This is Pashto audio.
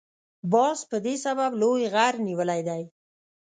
باز په دې سبب لوی غر نیولی دی.